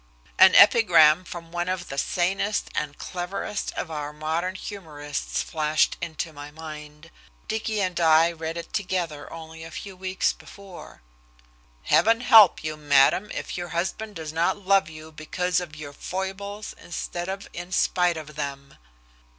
An epigram from one of the sanest and cleverest of our modern humorists flashed into my mind. Dicky and I had read it together only a few weeks before. "Heaven help you, madam, if your husband does not love you because of your foibles instead of in spite of them."